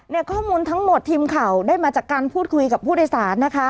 ข้อมูลทั้งหมดทีมข่าวได้มาจากการพูดคุยกับผู้โดยสารนะคะ